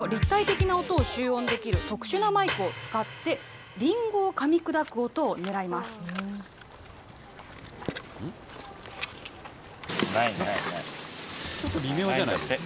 この立体的な音を集音できる特殊なマイクを使ってリンゴをかみ砕ちょっと微妙じゃないですか。